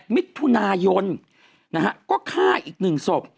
๑๘มิถุนายนศ์ก็ฆ่าอีกหนึ่งศพ